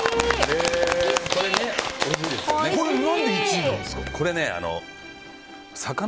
これは何で１位なんですか？